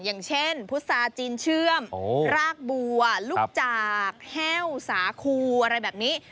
อย่างเช่นพุษาจีนเชื่อมรากบัวลูกจากแห้วสาคูอะไรแบบนี้